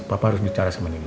papa harus bicara sama nino